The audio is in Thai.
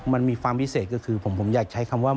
มันมีความพิเศษก็คือผมอยากใช้คำว่า